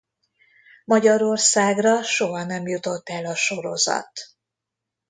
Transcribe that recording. Magyarországra soha nem jutott el a sorozat.